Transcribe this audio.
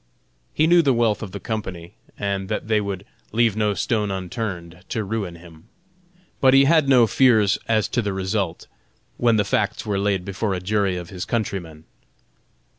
He knew the wealth of the company, and that they would "leave no stone unturned" to ruin him, but he had no fears as to the result, when the facts were laid before a jury of his countrymen.